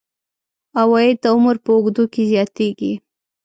عواید د عمر په اوږدو کې زیاتیږي.